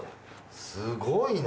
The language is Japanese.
すごいな。